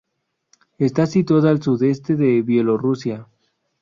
Está situada al sudeste de Bielorrusia.